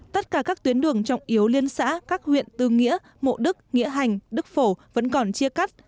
tất cả các tuyến đường trọng yếu liên xã các huyện tư nghĩa mộ đức nghĩa hành đức phổ vẫn còn chia cắt